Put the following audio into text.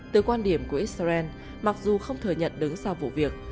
từ quan điểm của israel mặc dù không thừa nhận đứng sau vụ việc